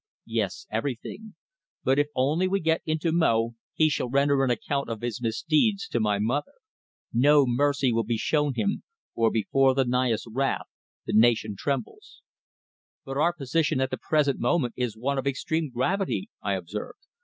"Yes, everything. But if only we get into Mo he shall render an account of his misdeeds to my mother. No mercy will be shown him, for before the Naya's wrath the nation trembles." "But our position at the present moment is one of extreme gravity," I observed.